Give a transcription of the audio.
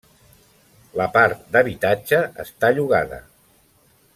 La part d'habitatge està llogada.